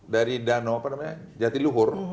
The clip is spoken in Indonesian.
dari danau jatiluhur